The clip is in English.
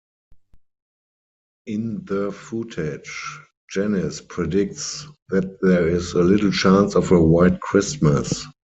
In the footage, Janice predicts that there is little chance of a White Christmas.